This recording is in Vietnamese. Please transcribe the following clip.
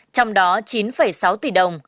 trong đó chín sáu tỷ đồng